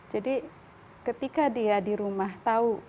ketika dia di rumah tahu